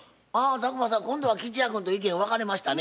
宅麻さん今度は吉弥君と意見分かれましたね。